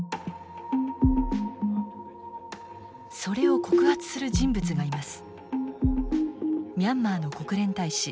それを告発する人物がいます。